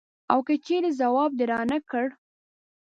او که چېرې ځواب دې رانه کړ.